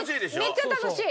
めっちゃ楽しい。